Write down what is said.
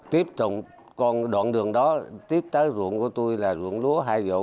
tiếp trong con đoạn đường đó tiếp tới ruộng của tôi là ruộng lúa hai vụ